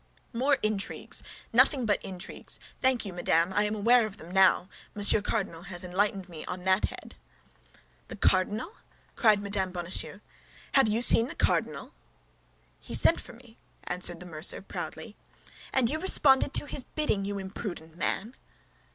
"More intrigues! Nothing but intrigues! Thank you, madame, I am aware of them now; Monsieur Cardinal has enlightened me on that head." "The cardinal?" cried Mme. Bonacieux. "Have you seen the cardinal?" "He sent for me," answered the mercer, proudly. "And you responded to his bidding, you imprudent man?"